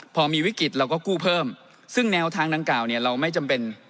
พอมีวิกฤตเราก็กู้เพิ่มซึ่งแนวทางดังกล่าวเนี่ยเราไม่จำเป็น